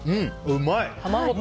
うまい！